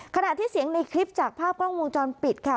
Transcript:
ขณะที่เสียงในคลิปจากภาพกล้องวงจรปิดค่ะ